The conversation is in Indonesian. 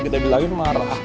kita bilangin marah